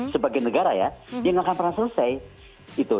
sebagian negara ya yang nggak akan pernah selesai gitu